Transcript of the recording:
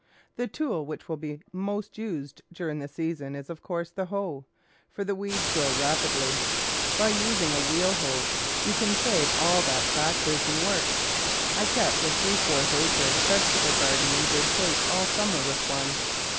The tool which will be most used during the season is, of course, the hoe, for the weeds grow rapidly. By using a wheel hoe you can save all that backaching work. I kept a three fourths acre vege table garden in good shape all summer with one.